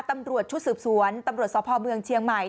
ตำรวจชุดสืบสวนตำรวจสพเมืองเชียงใหม่